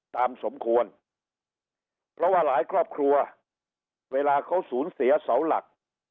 สมควรเพราะว่าหลายครอบครัวเวลาเขาสูญเสียเสาหลัก